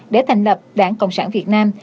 để thành lập đảng cộng sản việt nam